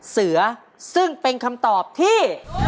เสือซึ่งเป็นคำตอบที่